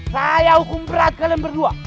saya hukum berat kalian berdua